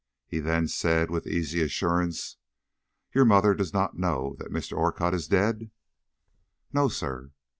He then said, with easy assurance: "Your mother does not know that Mr. Orcutt is dead?" "No, sir."